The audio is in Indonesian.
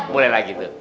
mulai lagi ustadz